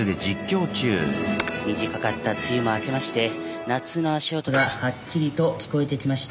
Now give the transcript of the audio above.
短かった梅雨も明けまして夏の足音がはっきりと聞こえてきました